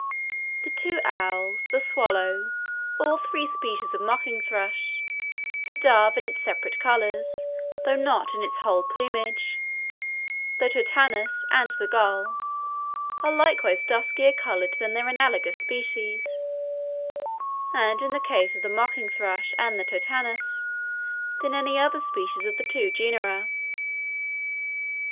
The two owls, the swallow, all three species of mocking thrush, the dove in its separate colours though not in its whole plumage, the Totanus, and the gull, are likewise duskier coloured than their analogous species; and in the case of the mocking thrush and Totanus, than any other species of the two genera.